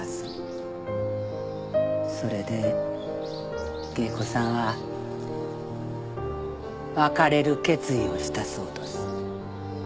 それで芸妓さんは別れる決意をしたそうどす。